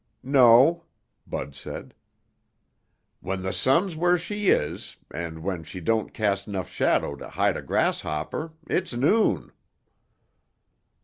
"No," Bud said. "When the sun's where she is, and when she don't cast 'nough shadow to hide a grasshopper, it's noon."